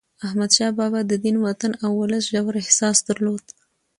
احمدشاه بابا د دین، وطن او ولس ژور احساس درلود.